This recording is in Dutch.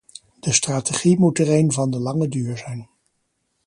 De strategie moet er een van de lange duur zijn.